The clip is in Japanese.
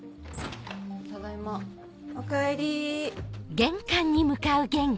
・ただいま・おかえり。